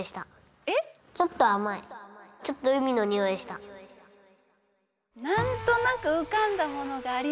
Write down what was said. ここでなんとなくうかんだものがあります。